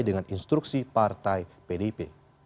dengan instruksi partai pdp